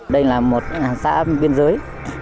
đây là một xã biên giới